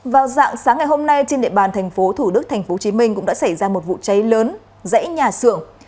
vào dạng sáng ngày hôm nay trên địa bàn thành phố thủ đức tp hcm cũng đã xảy ra một vụ cháy lớn rẽ nhà xưởng